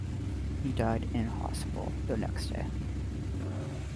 He died in hospital the next day.